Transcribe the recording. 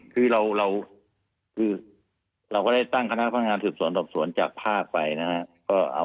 คือเราก็ได้ตั้งคณะพนักงานสอบสวนจากภาพไปนะครับ